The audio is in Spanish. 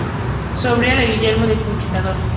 Sobrina de Guillermo el Conquistador.